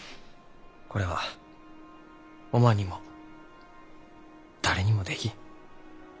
これはおまんにも誰にもできん。